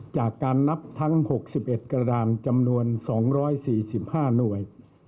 จากการนับทั้ง๖๑กระดานจำนวน๒๔๕หน่วย